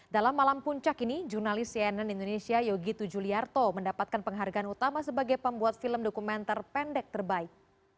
dalam malam puncak ini jurnalis cnn indonesia yogi tujuliarto mendapatkan penghargaan utama sebagai pembuat film dokumenter pendek terbaik